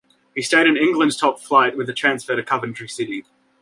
He stayed in England's top flight with a transfer to Coventry City.